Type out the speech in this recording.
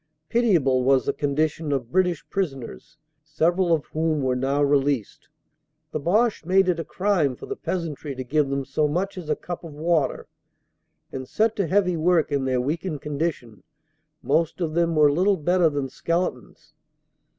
Pitiable was the condition of British prisoners, several of whom were now released. The Boche made it a crime for the peasantry to 24 354 CANADA S HUNDRED DAYS give them so much as a cup of water, and, set to heavy work in their weakened condition, most of them were little better than skeletons.